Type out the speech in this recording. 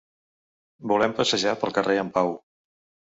Volem passejar pel carrer en pau.